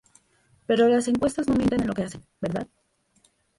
Pero las encuestas no mienten en lo que hacen ¿Verdad?".